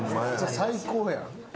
最高やん。